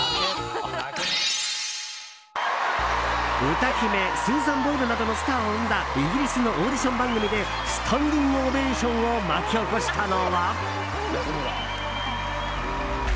歌姫スーザン・ボイルなどのスターを生んだイギリスのオーディション番組でスタンディングオベーションを巻き起こしたのは。